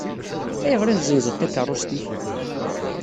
Ayɣer i tezzenzeḍ takeṛṛust-ik?